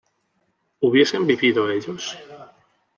¿hubiesen vivido ellos?